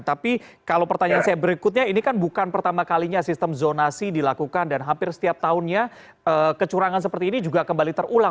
tapi kalau pertanyaan saya berikutnya ini kan bukan pertama kalinya sistem zonasi dilakukan dan hampir setiap tahunnya kecurangan seperti ini juga kembali terulang